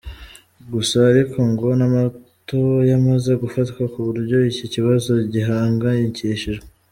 Gusa ariko, ngo n’amato yamaze gufatwa ku buryo iki kibazo gihangayikishije.